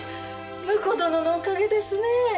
婿殿のおかげですねえ。